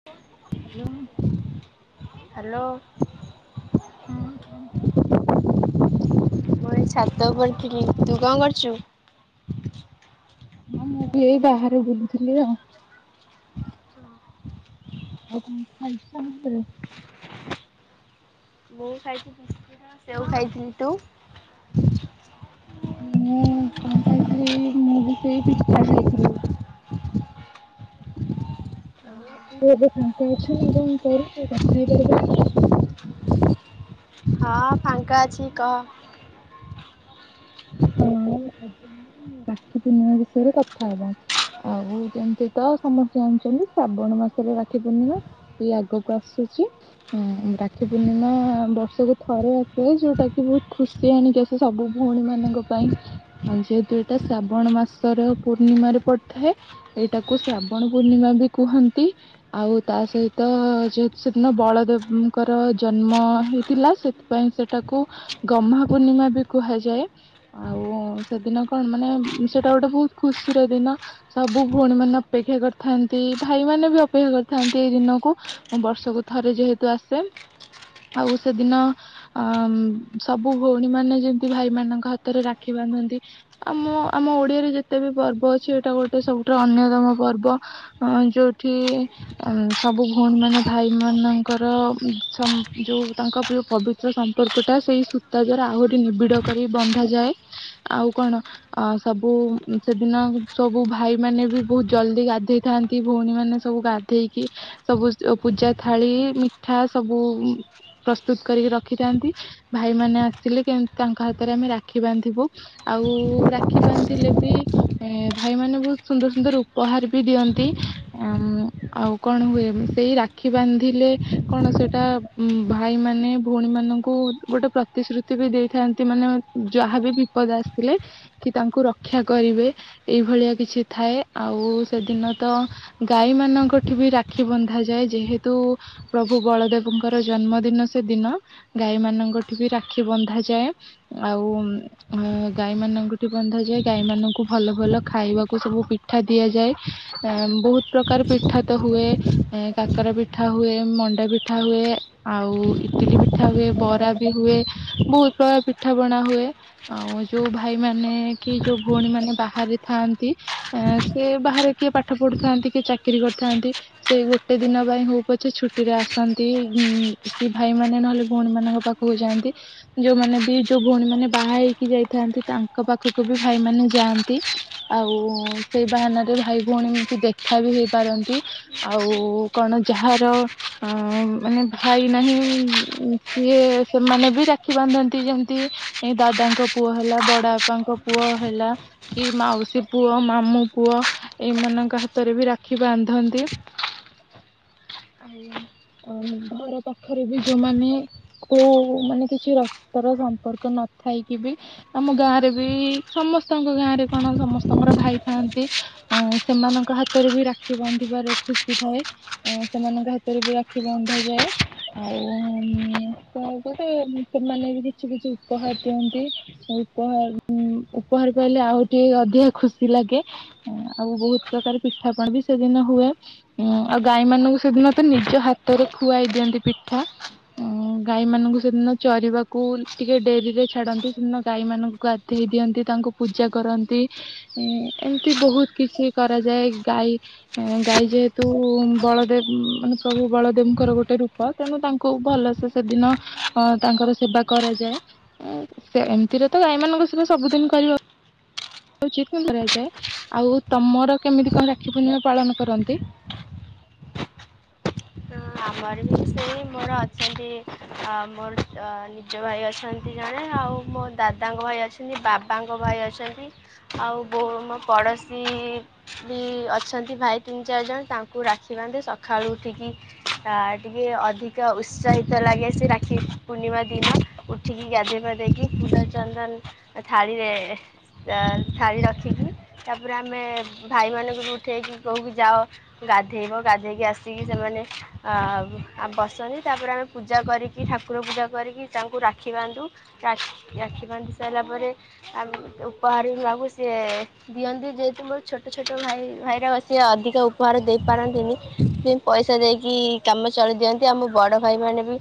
[inaudible] Hello. Hello. ହଁ କଣ କରୁଚୁ? ମୁଁ ଏଇ ଛାତ ଓପରେ ଥିଲି ତୁ କଁ କରଚୁ? ହଁ ମୁଁ ବି ଏଇ ବାହାରେ ବୁଲୁଥୁଲି ଆଉ। ଆଉ କଣ ଖାଇସାଇଲୁଣି ଘରେ? ମୁଁ ଖାଇଚି [unintelligible] ସେଉ ଖାଇଥିଲି ତୁ? ମୁଁ କଣ ଖାଇଥିଲି ମୁଁ ବି ସେଇ ପିଠା ଖାଇଥିଲି। ଆଉ ତୁ ଏବେ ଫାଙ୍କା ଅଛୁ ନା କଣ କରୁଚୁ କଥା ହେଇପାରିବା ଆମେ? ହଁ ଫାଙ୍କା ଅଛି କହ। ହଁ ଆଜି ଆମେ ରାକ୍ଷୀ ପର୍ଣ୍ଣିମା ବିଷୟରେ କଥା ହବା। ଆଉ ଯେମତି ତ ସମସ୍ତେ ଜଣିଚନ୍ତି ଶ୍ରାବଣ ମାସରେ ରାକ୍ଷୀ ପୂର୍ଣ୍ଣିମା। ଏଇ ଆଗକୁ ଆସୁଚି। ହୁଁ ରାକ୍ଷୀ ପୂର୍ଣ୍ଣିମା ବର୍ଷକୁ ଥରେ ଆସେ ଯୋଉଟା କି ବୋହୁତ ଖୁସ୍ ସେ ଆଣିକି ଆସେ ସବୁ ଭଉଣୀ ମାନଙ୍କ ପାଇଁ ହଁ ଯେହେତୁ ଏଇଟା ଶ୍ରାବଣ ମାସର ପୂର୍ଣ୍ଣିମାରେ ପଡିଥାଏ। ଏଇଟାକୁ ଶ୍ରାବଣ ପୂର୍ଣ୍ଣିମା ବି କୁହନ୍ତି। ଆଉ ତା ସହିତ ଯେହେତୁ ସେଦିନ ବଳଦେବଙ୍କର ଜନ୍ମ ହେଇଥିଲା ସେ ପାଇଁ ସେଟାକୁ ଗହ୍ମା ପୂର୍ଣ୍ଣିମା ବି କୁହାଯାଏ। ଆଉ ସେଦିନ କଣ ମାନେ ସେଟା ଗୋଟେ ବହୁତ ଖୁସିର ଦିନ ସବୁ ଭଉଣୀ ମାନେ ଅପେକ୍ଷା କରିଥାନ୍ତି ଭାଇ ମାନେ ବି ଅପେକ୍ଷା କରିଥାନ୍ତି ଏଇ ଦିନକୁ ହଁ ବର୍ଷକୁ ଥରେ ଯେହେତୁ ଆସେ ଆଉ ସେଦିନ ଅ ସବୁ ଭଉଣୀ ମାନେ ଯେମିତି ଭାଇମାନଙ୍କ ହା ତରେ ରାକ୍ଷି ବାନ୍ଧନ୍ତି। ଆମ ଆମ ଓଡିଆରେ ଯେତେ ବି ପର୍ବ ଅଛି ଏଇଟା ଗୋଟେ ସବୁଠାରୁ ଅନ୍ୟତମ ପର୍ବ ହଁ ଯୋଉଠି ଆ ସବୁ ଭଉଣୀ ମାନେ ଭାଇ ମାନଙ୍କର ଉ ଜମ୍ ଯୋଉ ତାଙ୍କ ପ୍ରି ପବିତ୍ର ସ ସମ୍ପର୍କ ଟା ସେଇ ସୂତା ଦ୍ଵାରା ଆହୁରି ନିବିଡ କରି ବନ୍ଧାଯାଏ ଆଉ କଣ? ଅ ସବୁ ସେଦିନ ସବୁ ଭାଇ ମାନେ ବି ବହୁତ ଜଲଦି ଗାଧେଇଥାନ୍ତି ଭଉଣୀ ମାନେ ସବୁ ଗା ଧେଇକି ସବୁ ପୂଜା ଥାଳି ମିଠା ସବୁ ଉ ପ୍ରସ୍ତୁତୁ କରିକି ରଖିଥାନ୍ତି ଭାଇମାନେ ଆସିଲେ କେମିତି ତାଙ୍କ ହାତରେ ଆମେ ରାକ୍ଷୀ ବାନ୍ଧିବୁ। ଆଉ ରାକ୍ଷୀ ବାନ୍ଧିଲେ ବି ଏ ଭାଇମାନେ ବହୁତ ସୁନ୍ଦର ସୁନ୍ଦର ଉପହାର ବି ଦିଅନ୍ତି। ଉଁ ଆଉ କଣ ହୁଏ ସେଇ ରାକ୍ଷୀ ବାନ୍ଧିଲେ କଣ ସେଟା ଉ ଭାଇ ମାନେ ଭଉଣୀ ମାନଙ୍କୁ ଗୋଟେ ପ୍ରତିଶ୍ରୁତି ବି ଦେଇଥାନ୍ତି ମାନେ ଯାହା ବି ବିପଦ ଆସିଲେ କି ତାଙ୍କୁ ରକ୍ଷା କରିବେ ଏଇଭଳିଆ କିଛି ଥାଏ ଆଉ ସେଦିନ ତ ଗାଈ ମାନଙ୍କ ଠି ବି ରାକ୍ଷୀ ବନ୍ଧାଯାଏ ଯେହେତୁ ପ୍ରଭୁ ବଳଦେବଙ୍କର ଜନ୍ମଦିନ ସେ ଦିନ ଗାଈ ମାନଙ୍କ ଠି ବି ରାକ୍ଷୀ ବନ୍ଧାଯାଏ ଆଉ ଅ ଗାଈମାନଙ୍କଠି ବନ୍ଧାାଯାଏ ଗାଈ ମାନଙ୍କୁ ଭଲ ଭଲ ଖାଇବାକୁ ସବୁ ପିଠା ଦିଆଯାଏ ଏ ବହୁତ ପ୍ରକାର ପିଠା ତ ହୁଏ। ଏ କାକର ପିଠା ହୁଏ ମଣ୍ଡା ପିଠା ହୁଏ। ଆଉ ଇଟିଲି ପିଠା ହୁଏ ବରା ବି ହୁଏ ବହୁତ ପ୍ରକାର ପିଠା ପଣା ହୁଏ। ଆଉ ଯୋଉ ଭାଇ ମାନେ କି ଯୋଉ ଭଉଣୀ ମାନେ ବାହାରେ ଥାଆନ୍ତି ଆ ସେ ବାହାରେ କିଏ ପାଠ ପଢୁଥାନ୍ତି କିଏ ଚାକିରି କରିଥାନ୍ତି। ସେଇ ଗୋଟେ ଦିନ ପାଇଁ ହଉ ପଛେ ଛୁଟିରେ ଆସନ୍ତି ଉ କି ଭାଇମାନେ ନହେଲେ ଭଉଣୀ ମାନଙ୍କ ପାଖରେ କୁ ଯାନ୍ତି ଯୋଉମାନେ ବି ଯୋଉ ଭଉଣୀ ମାନେ ବାହା ହେଇକି ଯାଇଥାନ୍ତି ତାଙ୍କ ପାଖକୁ ବି ଭାଇମାନେ ଯାଆନ୍ତି ଆଉ ସେଇ ବାହାନାରେ ଭାଇ ଭଉଣୀ ବି ଦେଖା ବି ହେଇପାରନ୍ତି। ଆଉ କଣ ଯାହାର ଅ ମାନେ ଭାଇ ନାହିଁ ଯିଏ ସେମାନେ ବି ରାକ୍ଷୀ ବାନ୍ଧନ୍ତି ଯେମତି ତି ଏ ଦାଦାଙ୍କ ପୁଅ ହେଲା ବଡ ଆବାପାଙ୍କ ପୁଅ ହେଲା କି ମାଉସୀ ପୁଅ ମାମୁ ପୁଅ ଏଇମାନଙ୍କ ହାତରେ ବି ରାକ୍ଷୀ ବାନ୍ଧନ୍ତି ଆଉ ଅମ ଘର ପାଖରେ ବି ଯୋଉମାନେ କୋଉ ମାନେ କିଛି ରକ୍ତର ଶ୍ ପର୍କ ନଥାଇକି ବି ଆମ ଗାଁ ରେ ବି ସମସ୍ତଙ୍କ ଗାଁ ରେ କଣ ସମସ୍ତଙ୍କର ଭାଇ ଥାଆନ୍ତି। ଆ ସେମାନଙ୍କ ହାତରେ ବି ରାକ୍ଷୀ ବାନ୍ଧିବାରେ ଖୁସି ଥାଏ। ଆ ସେମାନଙ୍କ ହାତରେ ବି ରାକ୍ଷୀ ବନ୍ଧାଯାଏ ଆଉ ଉ ପୁଣି ଗୋଟେ ସେମାନେ ବି କିଛି କିଛି ଉପହାର ଦିଅନ୍ତି। ଉପହାର ଉ ଉପହାର କହିଲେ ଆଉ ଟିକେ ଅଧିକ ଖୁସି ଲାଗେ। ହୁ ଆଉ ବହୁତ ପ୍ରକାର ପିଠାପଣ ବି ସେଦିନ ହୁଏ। ଉଁ ଆଉ ଗାଈ ମାନଙ୍କୁ ସେଦିନ ତ ନିଜ ହାତରେ ଖୁଆଇ ଦିଅନ୍ତି ପିଠା ଉଁ ଗାଈ ମାନଙ୍କୁ ସେଦିନ ଚରିବାକୁ ଟିକେ ଡେରି ରେ ଛାଡନ୍ତି ସେଦିନ ଗାଈ ମାନଙ୍କୁ ଗଧେଇ ଦିଅନ୍ତି ତାଙ୍କୁ ପୂଜା କରନ୍ତି। ଏମିତି ବହୁତ କିଛି କରାଯାଏ ଗାଈ ଗାଈ ଯେହେତୁ ବଳଦେବ ମାନେ ପ୍ରଭୁ ବଳଦେବଙ୍କର ଗୋଟେ ରୂପ। ତେଣୁ ତାଙ୍କୁ ଭଲସେ ସେଦିନ ଅ ତାଙ୍କର ସେବା କରାଯା ଯାଏ ଏମିତିରେ ତ ଗାଈ ମାନଙ୍କୁ ସ ସବୁଦିନ କରିବ ଆଉ ଚିକୁ କରାଯାଏ ଆଉ ତମର କେମିତି କଣ ରାକ୍ଷୀ ପୂର୍ଣ୍ଣିମା ପାଳନ କରନ୍ତି? ହଁ ଆମର ବି ସେଇ ମୋର ଅଛନ୍ତି ମୋର ନିଜ ଭାଇ ଅଛନ୍ ଏତି ଜଣେ ଆଉ ମୋ ଦାଦାଙ୍କ ଭାଇ ଅଛନ୍ତି ବାବାଙ୍କ ଭାଇ ଅଛନ୍ତି। ଆଉ ବୋ ମୋ ପଡୋଶୀ। ବି ଅଛନ୍ତି ଭାଇ ତିନି ଚାରି ଜଣ ତାଙ୍କୁ ରାକ୍ଷୀ ବାନ୍ଧେ ସକାଳୁ ଉଠିକି ଆ ଟିକେ ଅଧିକ ଉତ୍ସାହିତ ଲାଗେ ସେ ରାକ୍ଷୀ ପୂର୍ଣ୍ଣିମା ଦିନ। ଉଠିକି ଗାଧେଇ ପାଧେଇକି ଧୂପ ଚନ୍ଦନ ଥାଳିରେ ଚା ଥାଳି ରଖିକି ତାପରେ ଆମେ ଭାଇମାନଙ୍କରୁ ଉଠେଇକି କହୁକି ଯାଅ ଗାଧେଇବ ଗାଧେଇକି ଆସିକି ସେମାନେ ଆଉ ଆ ବସନ୍ତି ତାପରେ ଆମେ ପୂଜା କରିକି ଠାକୁର ପୂଜା କରିକି ତାଙ୍କୁ ରାକ୍ଷୀ ବାନ୍ଧୁ। ରା ରାକ୍ଷୀ ବାନ୍ଧି ସାରିଲା ପରେ ଆମେ ଉପହାରକୁ ଲାଗୁ ସିଏ ଦିଅନ୍ତି ଯେହେତୁ ମୋର ଛୋଟ ଛୋଟ ଭାଇ ଭାଇରା ସି ଅଧିକା ଉପହାର ଦେଇପାରନ୍ତିନି ସେ ପଇସା ଦେଇକି କାମ ଚଳେଦିଅନ୍ତି ଆମ ବଡ଼ ଭାଇ ମାନେ ବି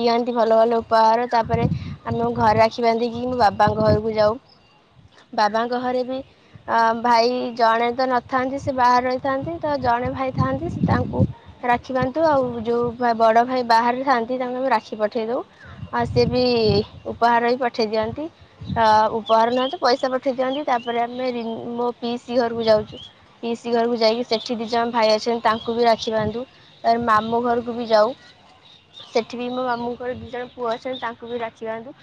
ଦିଅନ୍ତି ଭଲ ଭଲ ଉପହାର ତାପରେ ଆମ ଘରେ ରାକ୍ଷୀ ବାନ୍ଧିକି ମୋ ବାବାଙ୍କ ଘରକୁ ଯାଉ ହ ବାବାଙ୍କ ଘରେ ବି ଅ ଭାଇ ଜଣେ ତ ନଥାନ୍ତି ସେ ବାହାରେ ରହିଥାନ୍ତି ତ ଜଣେ ଭାଇ ଥାଆନ୍ତି ସେ ତାଙ୍କୁ ରାକ୍ଷୀ ବାନ୍ତୁ ଆଉ ଯୋଉ ବଡ଼ ଭାଇ ବାହାରେ ଥାଆନ୍ତି ତାଙ୍କୁ ଆମେ ରାକ୍ଷୀ ପଠେଇ ଦୋଉ। ଆଉ ସି ବି ଉପହାର ହିଁ ପଠେଇ ଦିଅନ୍ତି। ଆ ଉପହାର ନାହାତ ପଇସା ପଠେଇ ଦିଅନ୍ତି ତାପରେ ଆମେ ମୋ ପିଇସି ଘରକୁ ଯାଉଛୁ। ପିଇସିି ଘରକୁ ଯାଇକି ସେଠି ଦିଇ ଜଣ ଭାଇ ଅଛନ୍ତି ତାଙ୍କୁ ବି ରାକ୍ଷୀ ବାନ୍ଧୁ। ତାରେ ମାମୁଁ ଘରକୁ ବି ଯାଉ। ସେଠି ବି ମୋ ମାମୁଁଙ୍କର ଦି ଜଣ ପୁଅ ଅଛନ୍ତି ତାଙ୍କୁ ବି ରାକ୍ଷୀ ବାନ୍ଧୁ।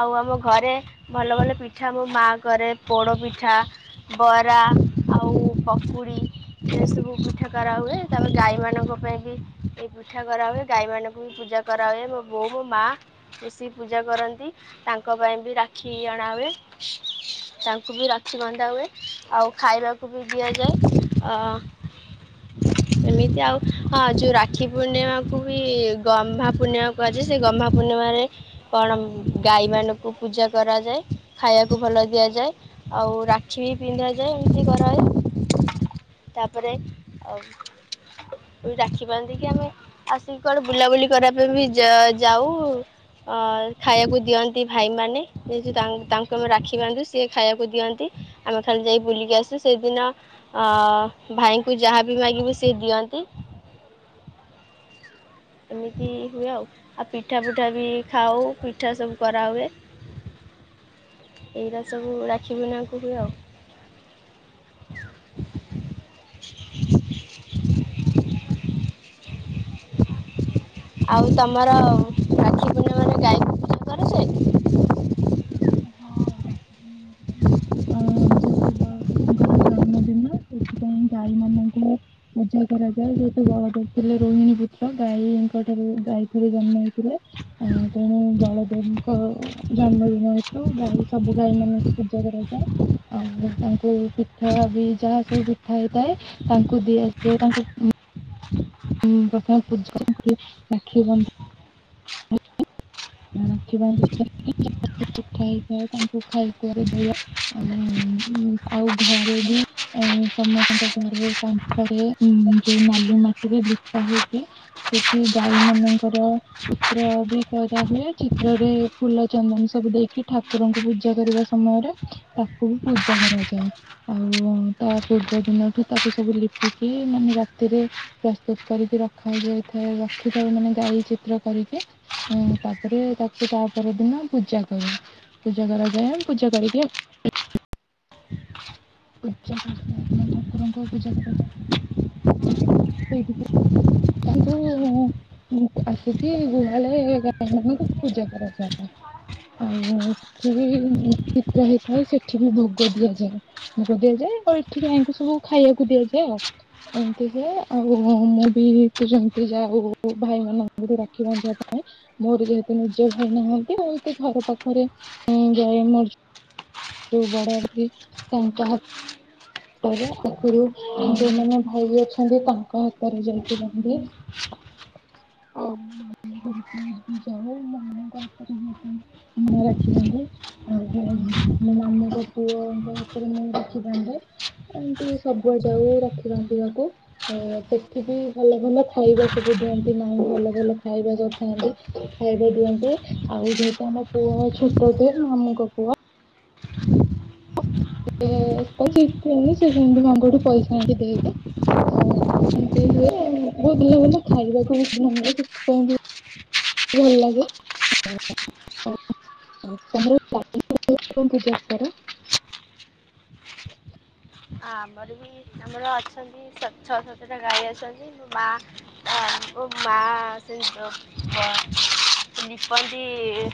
ଆଉ ଆମ ଘରେ ଭଲ ଭଲ ପିଠା ମୋ ମାଆ କରେ ପୋଡ଼ ପିଠା ବରା ଆଉ ପକୁଡ଼ି ଏ ସବୁ ପିଠା କରାହୁଏ ତାପରେ ଗାଈମାନଙ୍କ ପାଇଁ ଏ ପିଠା କରାହୁଏ ଗାଈ ମାନଙ୍କୁ ବି ପୂଜା କରାହୁଏ ମୋ ବୋଉ ମୋ ମା ମିଶିକି ପୂଜା କରନ୍ତି ତାଙ୍କ ପାଇଁ ବି ରାକ୍ଷୀ ଅଣାହୁଏ। ତାଙ୍କୁ ବି ରାକ୍ଷୀ ବନ୍ଧା ହୁଏ ଆଉ ଖାଇବାକୁ ବି ଦିଆଯାଏ ଅ [inaudible] ଏମିତି ଆଉ ହଁ ଯୋଉ ରାକ୍ଷୀ ପୂର୍ଣ୍ଣିମାକୁୁ ବି ଗହ୍ମା ପୂର୍ଣ୍ଣିମା କୁହାଯାଏ। ସେ ଗହ୍ମା ପୂର୍ଣ୍ଣିମାରେ କଣ ଗାଈ ମାନଙ୍କୁ ପୂଜା କରାଯାଏ ଖାଇବାକୁ ଭଲ ଦିଆଯାଏ। ଆଉ ରାକ୍ଷୀ ବି ପିନ୍ଧା ଯାଏ ଏମିତି କରାହୁଏ। ତାପରେ ଆଉ ରାଖି ବାନ୍ଧି କି ଆମେ ଆସିକି କୁଆଡେ ବୁଲାବୁଲି କରିବା ପାଇଁ ବି ଯାଉ। ଅ ଖାଇବାକୁ ଦିଅନ୍ତି ଭାଇମାନେ। ତାଙ୍କୁ ଆମେ ରାକ୍ଷୀ ବାନ୍ଧୁ ସିଏ ଖାଇବାକୁ ଦିଅନ୍ତି ଆମେ ଖାଲି ଯାଇ ବୁଲିକି ଆସୁ ସେଦିନ ଭାଇଙ୍କୁ ଯାହାବି ମାଗିବୁ ସେ ଦିଅନ୍ତି। ଏମିତି ହୁଏ ଆଉ ଆଉ ପିଠା ଫିଠା ବି ଖାଉ ପିଠା ସବୁ କରାହୁଏ। [inaudible] ଏଇରା ସବୁ ରାକ୍ଷୀ ବିନାକୁ ହୁଏ ଆଉ। ଆଉ ତମର ରାକ୍ଷୀ ପୂର୍ଣ୍ଣିମା ମାନେ ଗାଈକୁ ପୂଜା କରାଯାଏ। ହଁ ରାକ୍ଷୀ ପୂର୍ଣ୍ଣିମା। [unintelligible] ଯେହେତୁ ବଳଦେବଙ୍କର ଜନ୍ମଦିନ ସେଥିପାଇଁ ଗାଈ ମାନଙ୍କୁ ପୂଜା କରାଯାଏ ଯୋତ ବଳଦେବ ଥିଲେ ରୋହିଣୀ ପୁତ୍ର ଗାଈଙ୍କ ଠାରୁ ଗାଈ ରେ ଜନ୍ମ ହେଇଥିଲେ। ଆ ତେଣୁ ବଳଦେବଙ୍କ ଜନ୍ମଦିନ ତ ଗାଈ ସବୁ ଗାଈ ମାନଙ୍କୁ ପୂଜା କରାଯାଏ। ଆଉ ତାଙ୍କୁ ପିଠା ବି ଯାହା ସବୁ ପିଠା ହେଇଥାଏ ତାଙ୍କୁ ଦିଆଯାଏ ତାଙ୍କୁ ହଁ ପ୍ରଥମେ ପୂଜା [unintelligible] [unintelligible] ପିଠା ହେଇଥାଏ ତାଙ୍କୁ ଖାଇବାକୁ ଦିଏ ଆଉ ଆଉ ଘରେ ବି ଏ ସମସ୍ତଙ୍କ ଘରେ କାନ୍ଥରେ ଯୋଉ ନାଲି ମାଟିରେ [unintelligible] ହେଇକି। ସେଠି ଗାଈ ମାନଙ୍କର ଚିତ୍ର ବି କରା ହୁଏ ଚିତ୍ରରେ ଫୁଲ ଚନ୍ଦନ ସବୁ ଦେଇକି ଠାକୁରଙ୍କୁ ପୂଜା କରିବା ସମୟରେ ତାକୁ ପୂଜା କରାଯାଏ। ଆଉ ତା ପୂର୍ବ ଦିନଠୁ ତାକୁ ସବୁ ଲିପିକି ମାନେ ରାତିରେ ପ୍ରସ୍ତୁତ କରିକି ରଖା ଯାଇଥାଏ ରଖିଥାଉ ମାନେ ଗାଈ ଚିତ୍ର କରିକି। ଉଁ ତାପରେ ତାକୁ ତା ପର ଦିନ ପୂଜା କରୁ। ପୂଜା କରାଯାଏ ଆମ ପୂଜା କରିଦିଅ ପୂଜା କରି ସାରିଲା ପରେ ଠାକୁରଙ୍କୁ ପୂଜା କର। [unintelligible] [unintelligible] ପୂଜା କରାଯାଇଥାଏ। ଆଉ ସେଠି ବି ଚିତ୍ର ହେଇଥାଏ ସେଠି ବି ଭୋଗ ଦିଆଯାଏ। ଦିଆଯାଏ ଆଉ ଏଠିକି ଯାଇକି ସବୁ ଖାଇବାକୁ ଦିଆଯାଏ ଆଉ। ଏମିତି ହୁଏ ଆଉ ମୁଁ ବି ତୁ ଯେମିତି ଯା ହଉ ଭାଇମାନଙ୍କୁଠୁ ରାକ୍ଷୀ ବାନ୍ଧିବା ପାଇଁ ମୋର ଯେହେତୁ ନିଜ ଭାଇ ନାହାନ୍ତି ମୁଁ ତ ଘର ପାଖରେ ଯାଏ ମୋର ଯୋଉ ବଡ଼ ଭାଇ ତାଙ୍କ ହା ତ ରେ [unintelligible] ଯୋଉମାନେ ଭାଇ ଅଛନ୍ତି ତାଙ୍କ ହାତରେ ଜାଇଁକି ବାନ୍ଧି ଦିଏ। ଓ ହୋ। [unintelligible] ରାକ୍ଷୀ ବାନ୍ଧେ। ଆଉ ମୋ ମାମୁଁଙ୍କ ପୁଅ ହାତରେ ମୁଁ ରାକ୍ଷୀ ବାନ୍ଧେ। ଏମିତି ସବୁବେଳେ ଯାଉ ରାକ୍ଷୀ ବାନ୍ଧିବାକୁ। ଓ ସେଠି ବି ଭଲ ଭଲ ଖାଇବା ସବୁ ଦିଅନ୍ତି ମା ଭଲ ଭଲ। ଖାଇବା କରିଥାନ୍ତି ଖାଇବା ଦିଅନ୍ତି। ଆଉ ଯେହେତୁ ଆମ ପୁଅ ଛୋଟ ହୋଇଥାଏ ମାମୁଁ ଙ୍କ ପୁଅ [unintelligible] ଓଉ ଏମତି ହୁଏ ବୋହୁତ ପିଲାମାନେ ଖାଇବାକୁ [unintelligible] ଭଲ ଲାଗେ। [unintelligible] ପୂଜା କର। ଆମର ବି ଆମର ଅଛନ୍ତି ଛଅ ସାତଟା ଗାଈ ଅଛନ୍ତି ମୋ ମା ମୋ ମା ନିପନ୍ତି।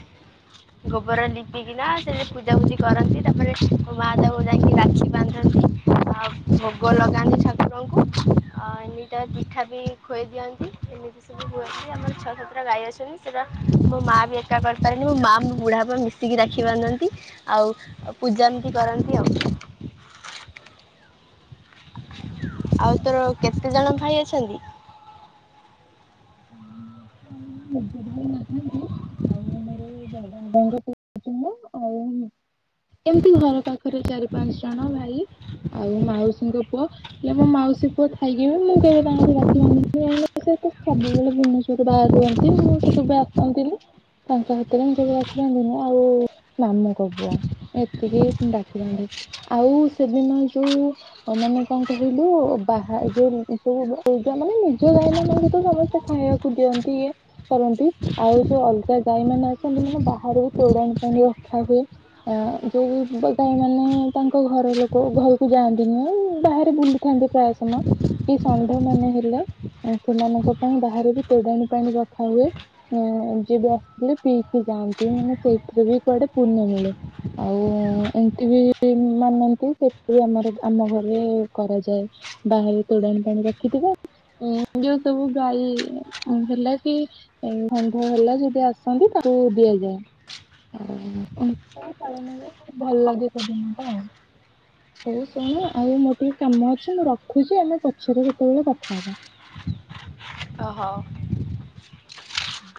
ଗୋବରରେ ଲିପିକିନା ସେ ପୂଜା ପୂଜି କରନ୍ତି ତାପରେ ମୋ ମା ତାକୁ ଯାଇକି ରାକ୍ଷୀ ବାନ୍ଧନ୍ତି। ଆଉ ଭୋଗ ଲଗାନ୍ତି ଠାକୁରଙ୍କୁ ଆଉ ଆ ଏମିଟା ପିଠା ବି ଖୁଏଇ ଦିଅନ୍ତି ଏମିତି ସବୁ ହୁଏ। ଆମର ଛଅ ସାତଟା ଗାଈ ଅଛନ୍ତି ସେଟା ମୋ ମା ବି ଏକା କରିପାରେନି ମୋ ମା ବୁଢ଼ା ବାପା ମିଶ ଶିକି ରାକ୍ଷୀ ବାନ୍ଧନ୍ତି ଆଉ ପୂଜା ଏମିତି କରନ୍ତି ଆଉ। ଆଉ ତୋର କେତେ ଜଣ ଭାଇ ଅଛନ୍ତି? ନିଜର ନିଜ ଭାଈ ନାହାନ୍ତି ଆଉ ମୋର [unintelligible] ଏମିତି ଘର ପାଖରେ ଚାରି ପାଞ୍ଚ ଜଣ ଭାଇ ଆଉ ମାଉସୀଙ୍କ ପୁଅ। ହେଲେ ମୋ ମାଉସୀ ପୁଅ ଥାଇକି ବି ମୁଁ କେବେ [unintelligible] ବାହାର ରୁହନ୍ତି ମୁଁ ସେ କେବେ ଆସନ୍ତିନି। ତାଙ୍କ ହାତରେ ମୁ ଯଦି [unintelligible] ଆଉ ମାମୁଙ୍କ ପୁଅ। ଏତିକି ଡାକିଥାନ୍ତି ଆଉ ସେଦିନ ଯୋଉ ମାନେ କଣ କହିଲୁ ବାହା ଯୋଉ ଯୋଉ ଏ ମାନେ ନିଜ ଗାଈ ମାନଙ୍କୁ ତ ସମସ୍ତେ ଖାଇବାକୁ ଦିଅନ୍ତି କିଏ? କରନ୍ତି ଆଉ ଯୋଉ ଅଲଗା ଗାଈ ମାନେ ଆସନ୍ତି ମାନେ ବାହାରେ ବି ଚୋଡାଣି ପାଇଁ [unintelligible] ଆ ଯୋଉ ଗାଈ ମାନେ ତାଙ୍କ ଘର ଲୋକ ଘରକୁ ଯାଆନ୍ତି ନୁହେଁ ବାହାରେ ବୁଲ ଥାନ୍ତି ପ୍ରାୟ ସମୟ କି ଷଣ୍ଢ ମାନେ ହେଲେ ସେମାନଙ୍କ ପାଇଁ ବାହାରେ ବି ତୋଡ଼ାଣି ପାଣି ରଖା ହୁଏ। ହ ଯିଏ ବି ଆସଥିଲେ ପିଇକି ଯାଆନ୍ତି ମାନେ ସେଇଥିରେ ବି କୁଆଡେ ପୁଣ୍ୟ ମିଳେ। ଆଉ ଏମତି ବି ମାନନ୍ତି ସେ ବି ଆମର ଆମ ଘରେ କରାଯାଏ। ବାହାରେ ତୋଡ଼ାଣି ପାଣି ରଖିଥିବା ଉ ଯୋଉ ସବୁ ଗାଈ ହେଲା କି ଷଣ୍ଢ ହେଲା ଯଦି ଆସନ୍ତି ତାକୁ ଦିଆଯାଏ। [unintelligible] ଭଲ ଲାଗେ ସେଦିନ ଟା ଆଉ। ହଉ କଣ ଆଉ ମୋର ଟିକେ କାମ ଅଛି ମୁଁ ରଖୁଚି ଆମେ ପଛରେ କେତେବେଳେ କଥା ହବା। ଓହୋ। ହୁଁ